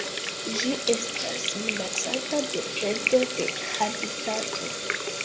Ĝi estas minacata de perdo de habitato.